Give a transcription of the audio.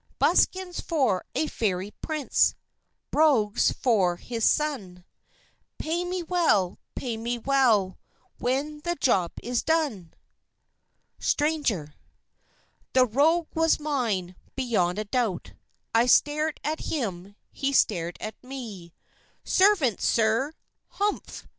Buskins for a Fairy Prince, Brogues for his son, Pay me well, pay me well, When the job is done! STRANGER The rogue was mine, beyond a doubt. I stared at him; he stared at me; "Servant, sir!" "Humph!"